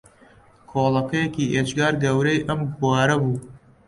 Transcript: کۆڵەکەیەکی ئێجگار گەورەی ئەم بوارە بوو